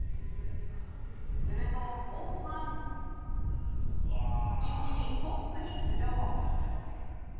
すると後半一気にトップに浮上。